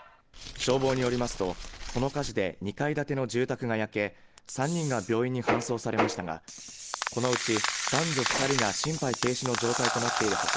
消防によりますと、この火事で２階建の住宅が焼け３人が病院に搬送されましたがこのうち男女２人が心肺停止の状態となっているほか